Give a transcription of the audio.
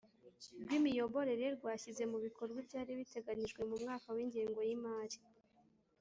rw Imiyoborere rwashyize mu bikorwa ibyari biteganyijwe mu mwaka w ingengo y imari